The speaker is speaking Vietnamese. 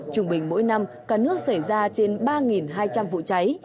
trung bình mỗi năm cả nước xảy ra trên ba hai trăm linh vụ cháy